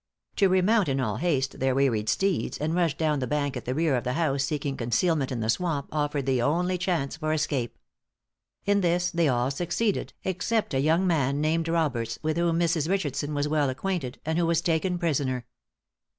To remount in all haste their wearied steeds, and rush down the bank at the rear of the house seeking concealment in the swamp, offered the only chance for escape. In this they all succeeded, except a young man named Roberts, with whom Mrs. Richardson was well acquainted, and who was taken prisoner.